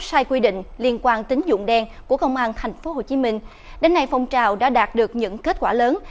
sai quy định liên quan tính dụng đen của công an tp hcm đến nay phong trào đã đạt được những kết quả lớn